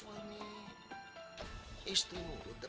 kamu tuh ngelupas